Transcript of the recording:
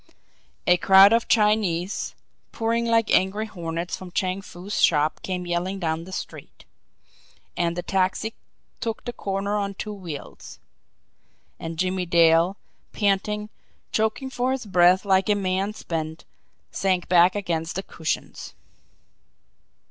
A crowd of Chinese, pouring like angry hornets from Chang Foo's shop, came yelling down the street and the taxi took the corner on two wheels and Jimmie Dale, panting, choking for his breath like a man spent, sank back against the cushions.